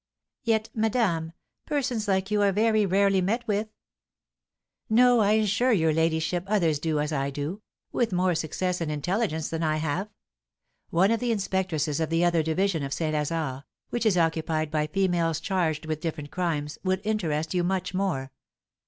"Yet, madame, persons like you are very rarely met with?" "No, I assure your ladyship, others do as I do, with more success and intelligence than I have. One of the inspectresses of the other division of St. Lazare, which is occupied by females charged with different crimes, would interest you much more.